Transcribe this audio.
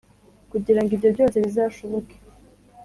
kugirango ibyo byose bizashoboke